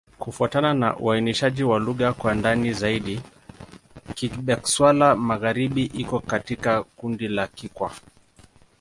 Kufuatana na uainishaji wa lugha kwa ndani zaidi, Kigbe-Xwla-Magharibi iko katika kundi la Kikwa.